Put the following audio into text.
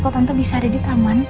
kok tante bisa ada di taman